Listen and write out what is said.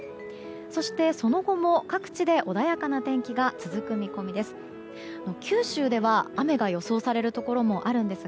そして、その後も各地で穏やかな天気が続く見込みです。